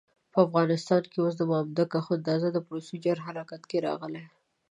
په افغانستان کې اوس د مامدک اخندزاده پروسیجر حرکت کې راغلی.